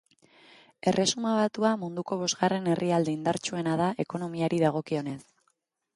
Erresuma Batua munduko bosgarren herrialde indartsuena da ekonomiari dagokionez.